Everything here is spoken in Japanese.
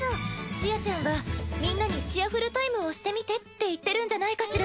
ちあちゃんはみんなにチアふるタイムをしてみてって言ってるんじゃないかしら？